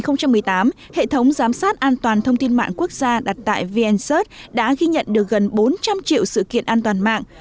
năm hai nghìn một mươi tám hệ thống giám sát an toàn thông tin mạng quốc gia đặt tại vncert đã ghi nhận được gần bốn trăm linh triệu sự kiện an toàn mạng